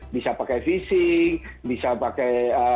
bisa pakai visi bisa pakai pencurian